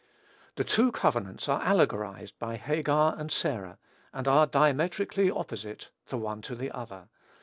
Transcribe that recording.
The two covenants are allegorized by Hagar and Sarah, and are diametrically opposite the one to the other.